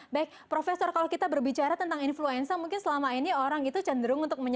baik profesor kalau kita berbicara tentang influenza mungkin selama ini orang itu cenderung untuk mencari